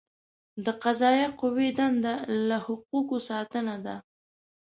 د قضائیه قوې دنده له حقوقو ساتنه ده.